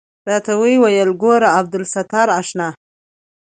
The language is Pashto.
راته ويې ويل ګوره عبدالستاره اشنا.